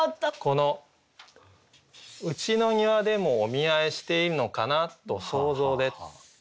この「うちの庭でもお見合いしているのかな。と想像で」。